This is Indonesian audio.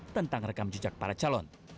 tentang rekam jejak para calon